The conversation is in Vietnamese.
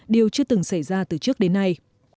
điều chưa từng xảy ra từ trước đến nay